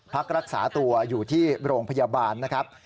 พักรักษาตัวอยู่ที่โรงพยาบาลนะครับ